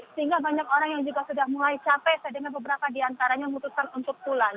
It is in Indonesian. sehingga banyak orang yang juga sudah mulai capek saya dengar beberapa di antaranya memutuskan untuk pulang